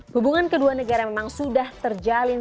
hubungan kedua negara memang sudah terjalin